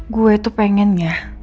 gue tuh pengennya